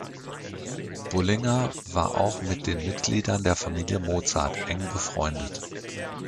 Bullinger war auch mit den Mitgliedern der Familie Mozart eng befreundet.